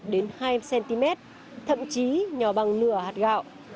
đến hai cm thậm chí nhỏ bằng nửa hạt gạo